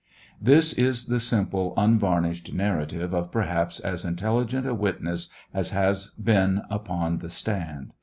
This is the simple, unvarnished narrative of perhaps as intelligent a witness as Las been upon the stand.